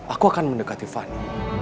aku akan mendekati fanny